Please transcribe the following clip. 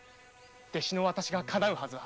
弟子の私がかなうはずは。